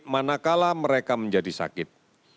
manakala mereka menjadi sakit